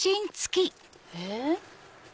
えっ？